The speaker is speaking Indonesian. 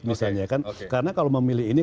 misalnya kan karena kalau memilih ini